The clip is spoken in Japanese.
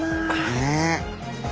ねえ。